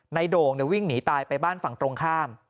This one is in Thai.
โด่งวิ่งหนีตายไปบ้านฝั่งตรงข้าม